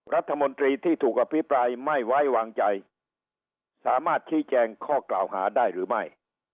รัฐมนตรีที่ถูกอภิปรายไม่ไว้วางใจสามารถชี้แจงข้อกล่าวหาได้หรือไม่